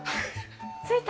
着いた。